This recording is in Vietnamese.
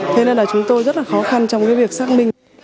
thế nên là chúng tôi rất là khó khăn trong cái việc xác minh